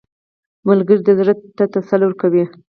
ملګری د زړه ته تسلي ورکوي